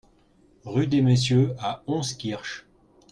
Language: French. Rue des Messieurs à Honskirch